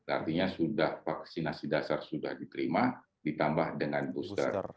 artinya sudah vaksinasi dasar sudah diterima ditambah dengan booster